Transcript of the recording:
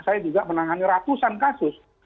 saya juga menangani ratusan kasus